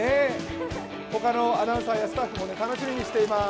他のアナウンサーやスタッフも楽しみにしています。